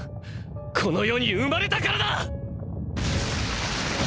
この世に生まれたからだ！